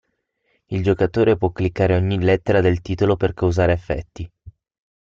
Il giocatore può cliccare ogni lettera del titolo per causare effetti.